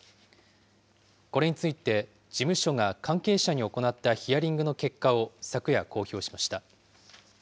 これについて、事務所が関係者に行ったヒアリングの結果を昨夜、公表しました。